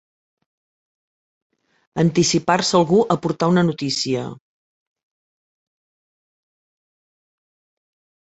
Anticipar-se algú a portar una notícia.